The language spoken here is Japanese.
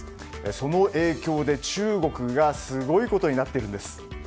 その影響で中国がすごいことになっているんです。